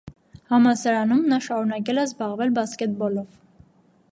Համալսարանում նա շարունակել է զբաղվել բասկետբոլով։